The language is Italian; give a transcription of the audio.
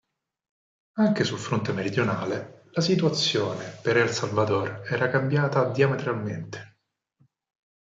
Anche sul fronte meridionale, la situazione per El Salvador era cambiata diametralmente.